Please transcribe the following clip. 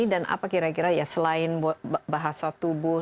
dan apa kira kira ya selain bahasa tubuh